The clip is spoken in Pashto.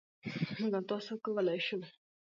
مـوږ او تاسـو کـولی شـو